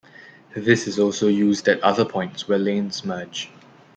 This is also used at other points where lanes merge.